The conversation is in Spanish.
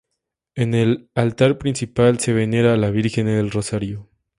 En el altar principal se venera a la Virgen del Rosario.